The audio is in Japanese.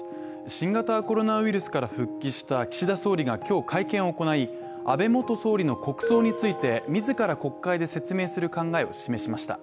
新型コロナウイルスから復帰した岸田総理が今日会見を行い、安倍元総理の国葬について自ら国会で説明する考えを示しました。